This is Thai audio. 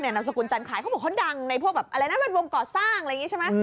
นามสกุลจันขายเขาบอกเขาดังในพวกแบบอะไรนะเป็นวงก่อสร้างอะไรอย่างนี้ใช่ไหม